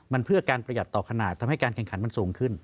มันเพื่อการประหยัดต่อขนาดทำให้การแข่งขันมันสูงขึ้น